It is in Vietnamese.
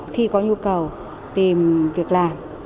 khi có nhu cầu tìm việc làm